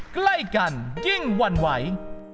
ใกล้กันยิ่งหวั่นไหว